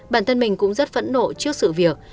bản thân mình cũng rất phẫn nộ trước sự việc